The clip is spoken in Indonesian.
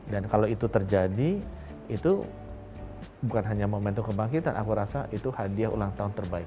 dan kalau itu terjadi itu bukan hanya momentum kebagitan aku rasa itu hadiah ulang tahun terbaik